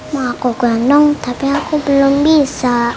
mau aku gandong tapi aku belum bisa